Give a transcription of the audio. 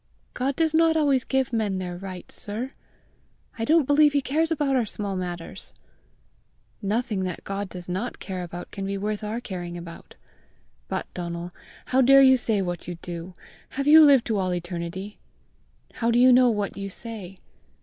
"God does not always give men their rights, sir! I don't believe he cares about our small matters!" "Nothing that God does not care about can be worth our caring about. But, Donal, how dare you say what you do? Have you lived to all eternity? How do you know what you say?